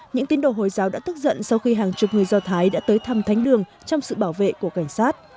những tín đồ hồi giáo đã thức giận sau khi hàng chục người do thái đã tới thăm thánh đường trong sự bảo vệ của cảnh sát